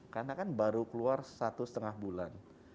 karena kan baru keluar satu setengah bulan